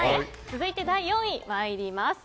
続いて第４位に参ります。